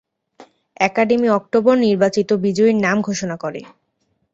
Academy October নির্বাচিত বিজয়ীর নাম ঘোষণা করে।